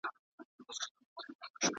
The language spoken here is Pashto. لکه میندي هسي لوڼه لکه ژرندي هسي دوړه .